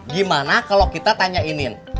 gimana kalau kita tanyainin